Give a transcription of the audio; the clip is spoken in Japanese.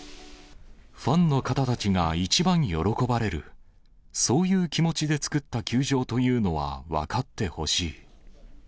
ファンの方たちが一番喜ばれる、そういう気持ちで造った球場というのは分かってほしい。